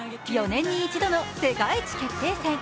４年に一度の世界一決定戦。